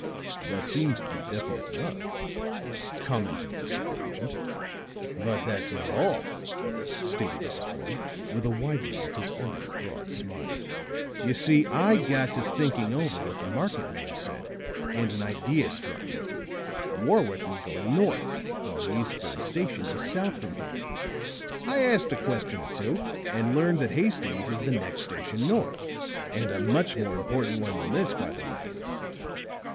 "That seems to be definite enough," commented the secret agent. "But that's not all," stated Osborne, with a widening of his already broad smile. "You see, I got to thinking over what the market man said, and an idea struck me. Warwick was going north, while the Eastbury station is south from here. I asked a question or two and learned that Hastings is the next station north and a much more important one than this, by the way.